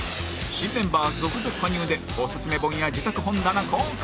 新メンバー続々加入でオススメ本や自宅本棚公開